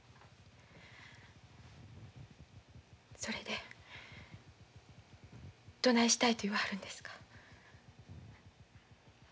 それでどないしたいと言わはるんですか？